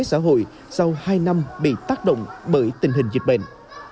sau hai năm bị tác động bởi tình hình dịch bệnh